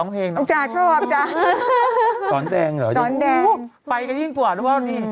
ไปกันยิ่งกว่าหรือว่านี่